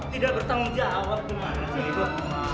tidak bertanggung jawab kemana sih